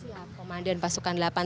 siap komandan pasukan delapan